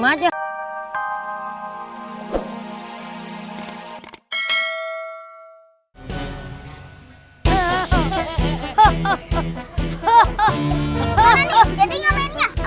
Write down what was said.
mana nih jadi gak mainnya